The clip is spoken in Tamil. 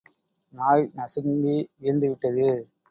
நாய் நசுங்கி வீழ்ந்துவிட்டது.